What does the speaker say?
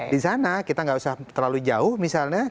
di sana kita nggak usah terlalu jauh misalnya